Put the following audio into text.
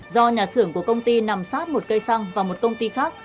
do nhà xưởng của công ty nằm sát một cây xăng và một công ty khác